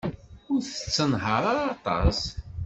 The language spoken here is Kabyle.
Ur tettenhaṛ ara aṭas.